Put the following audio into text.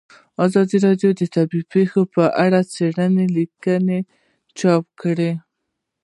ازادي راډیو د طبیعي پېښې په اړه څېړنیزې لیکنې چاپ کړي.